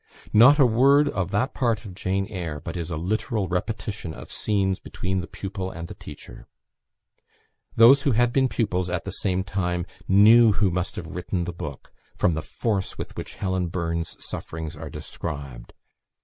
Not a word of that part of "Jane Eyre" but is a literal repetition of scenes between the pupil and the teacher. Those who had been pupils at the same time knew who must have written the book from the force with which Helen Burns' sufferings are described.